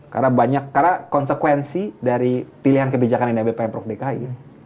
karena konsekuensi dari pilihan kebijakan nabp prof dki